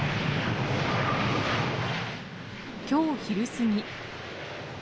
きょう昼過ぎ。